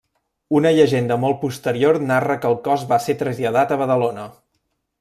Una llegenda molt posterior narra que el cos va ser traslladat a Badalona.